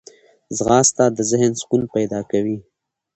ځغاسته د ذهن سکون پیدا کوي